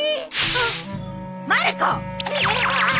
あっ。